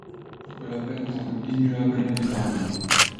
Pour que la peine tombe immuable et tardive